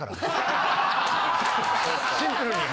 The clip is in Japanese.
シンプルに。